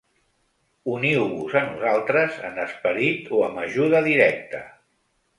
Uniu-vos a nosaltres en esperit o amb ajuda directa.